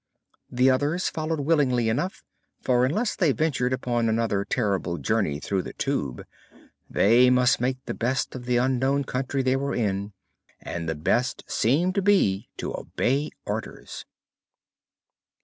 The others followed willingly enough, for unless they ventured upon another terrible journey through the Tube they must make the best of the unknown country they were in, and the best seemed to be to obey orders.